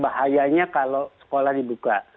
bahayanya kalau sekolah dibuka